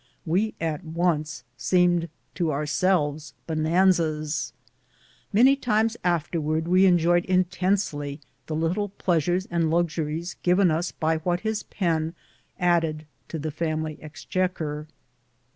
We at once seemed to ourselves bonanzas. Many times afterwards we enjoyed intensely the little pleas ures and luxuries given us by what his pen added to the family exchequer.